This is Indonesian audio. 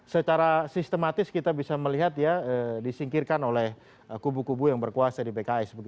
secara sistematis kita bisa melihat ya disingkirkan oleh kubu kubu yang berkuasa di pks